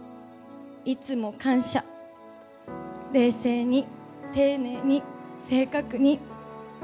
いつも感謝、冷静に、丁寧に、正確に。